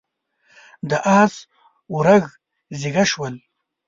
د اس ورږ زيږه شول.